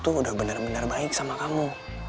tuh udah bener bener baik sama kamu